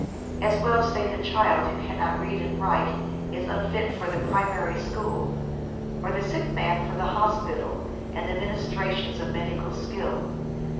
As well say the child who cannot read and write is unfit for 4he primary school, or the sick man for the hospital, and the minis trations of medical skill.